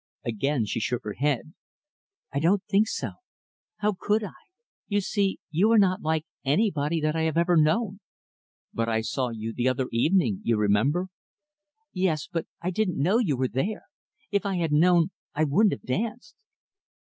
Again, she shook her head. "I don't think so. How could I? You see, you are not like anybody that I have ever known." "But I saw you the other evening, you remember." "Yes, but I didn't know you were there. If I had known, I wouldn't have danced."